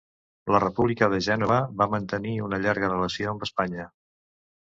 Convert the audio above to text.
La República de Gènova va mantenir una llarga relació amb Espanya.